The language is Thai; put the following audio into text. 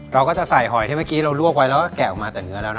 เราก็จะใส่หอยที่เมื่อกี้เราลวกไว้แล้วก็แกะออกมาแต่เนื้อแล้วนะ